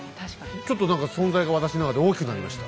ちょっと何か存在が私の中で大きくなりました。